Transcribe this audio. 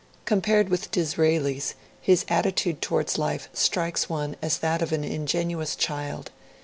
Compared with Disraeli's, his attitude towards life strikes one as that of an ingenuous child.